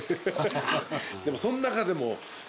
でもその中でも。